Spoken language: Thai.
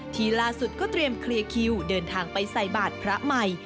ที่ล่าสุดก็เตรียมเคลียร์คิวเดินทางไปใส่บาทพระใหม่